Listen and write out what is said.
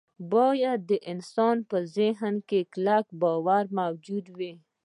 باید د انسان په ذهن کې کلک باور موجود وي